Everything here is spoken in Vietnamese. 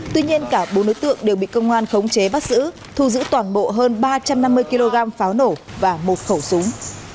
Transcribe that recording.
tuy nhiên cả bốn đối tượng đều bị công an khống chế bắt giữ thu giữ toàn bộ hơn ba trăm năm mươi kg pháo nổ và một khẩu súng